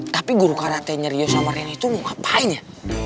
tapi guru karate nya ryo sama rian itu mau ngapain ya